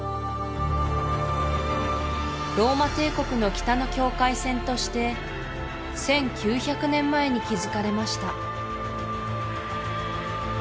ローマ帝国の北の境界線として１９００年前に築かれました